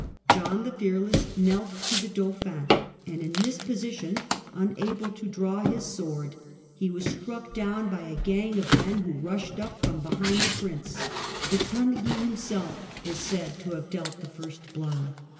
John the Fearless knelt to the Dauphin, and in tliis position, unable to draw his sword, 214 THE END OF THE MIDDLE AGE he was struck down by a gang of men who rushed up from behind the Prince, but Tanneguy himself is said to have dealt the first blow.